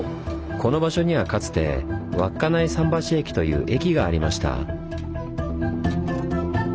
この場所にはかつて稚内桟橋駅という駅がありました。